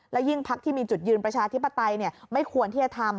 และยิ่งพักที่มีจุดยืนประชาธิปไตยไม่ควรที่จะทำ